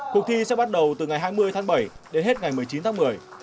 cuộc thi sẽ bắt đầu từ ngày hai mươi tháng bảy đến hết ngày một mươi chín tháng một mươi